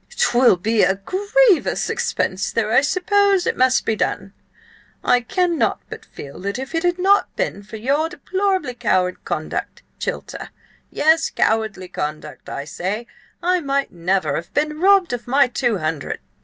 "'Twill be a grievous expense, though I suppose it must be done, and I cannot but feel that if it had not been for your deplorably cowardly conduct, Chilter–yes, cowardly conduct, I say–I might never have been robbed of my two hundred!"